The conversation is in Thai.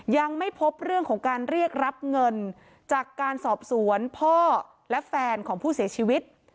ยังไม่พบเรื่องของการเรียกรับเงินจากการสอบสวนพ่อและแฟนของผู้เสียชีวิต